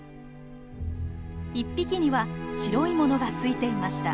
一匹には白いものがついていました。